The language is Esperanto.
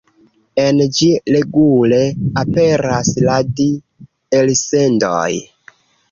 En ĝi regule aperas radi-elsendoj.